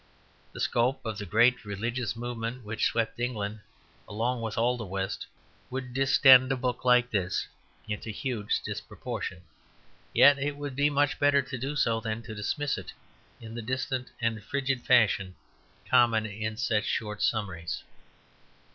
The scope of the great religious movement which swept England along with all the West would distend a book like this into huge disproportion, yet it would be much better to do so than to dismiss it in the distant and frigid fashion common in such short summaries.